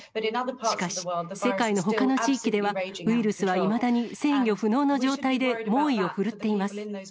しかし、世界のほかの地域では、ウイルスはいまだに制御不能の状態で猛威を振るっています。